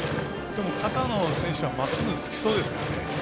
片野選手はまっすぐ好きそうですからね。